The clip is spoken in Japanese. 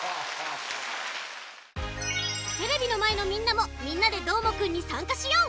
テレビのまえのみんなも「みんなＤＥどーもくん！」にさんかしよう！